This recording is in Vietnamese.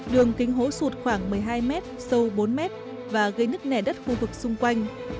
đường kính hố sụt khoảng một mươi hai mét sâu bốn mét và gây nứt nẻ đất khu vực xung quanh